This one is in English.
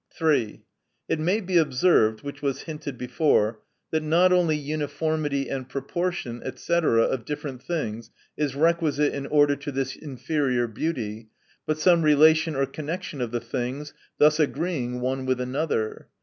3. It may be observed (which was hinted before) that not only uniformity and proportion, &c, of different things is requisite in order to this inferior beau ty, but some relation or connection of the things thus agreeing one with another.